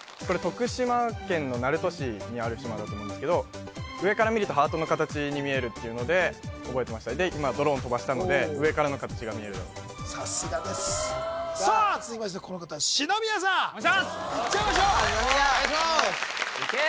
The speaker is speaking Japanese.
これ徳島県の鳴門市にある島だと思うんですけど上から見るとハートの形に見えるっていうので覚えてましたで今ドローン飛ばしたので上からの形が見えるだろうとさすがですさあ続きまして